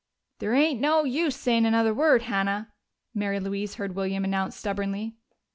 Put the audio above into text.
"There ain't no use sayin' another word, Hannah," Mary Louise heard William announce stubbornly.